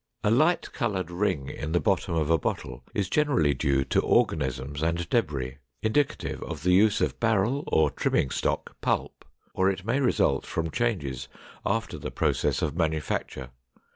A light colored ring in the bottom of a bottle is generally due to organisms and debris, indicative of the use of barrel or trimming stock pulp, or it may result from changes after the process of manufacture.